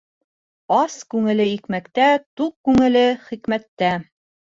Ас күңеле икмәктә, туҡ күңеле хикмәттә.